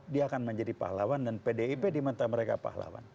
dia akan menjadi pahlawan dan pdip di mata mereka pahlawan